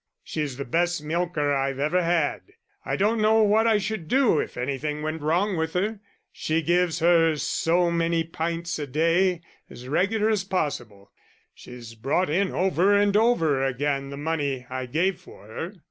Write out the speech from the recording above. "She's the best milker I've ever had. I don't know what I should do if anything went wrong with her. She gives her so many pints a day, as regular as possible. She's brought in over and over again the money I gave for her."